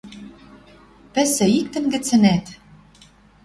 Пӹсӹ иктӹн гӹцӹнӓт.